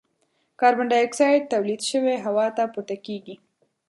کاربن ډای اکسایډ تولید شوی هوا ته پورته کیږي.